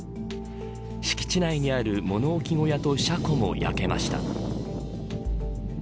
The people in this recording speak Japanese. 敷地内にある物置小屋と車庫も焼けました。